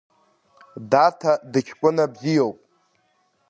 Даҭа дыҷкәына бзиоуп…